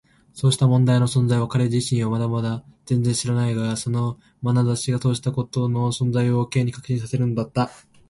そうした問題の存在を彼自身はまだ全然知らないが、そのまなざしがそうしたことの存在を Ｋ に確信させるのだった。